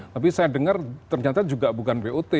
tapi saya dengar ternyata juga bukan bot